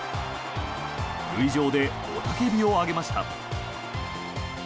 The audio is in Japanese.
塁上で雄たけびを上げました。